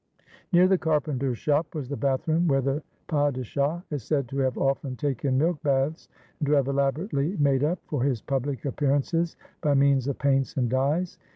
Near the carpenter's shop was the bathroom where the padishah is said to have often taken milk baths and to have elaborately "made up" for his pubhc appear ances by means of paints and dyes.